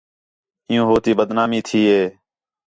عِیّوں ہو تی بدنامی تھی ہے